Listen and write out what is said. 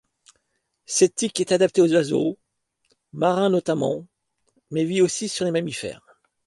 Cette tique est adaptée aux oiseaux, marins notamment, mais vit aussi sur des mammifères.